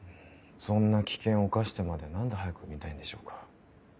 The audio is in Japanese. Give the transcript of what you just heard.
そんな危険を冒してまで何で早く産みたいんでしょうか？